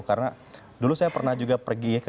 karena dulu saya pernah juga pergi ke indonesia